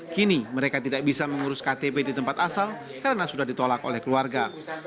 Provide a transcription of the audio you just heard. kini mereka tidak bisa mengurus ktp di tempat asal karena sudah ditolak oleh keluarga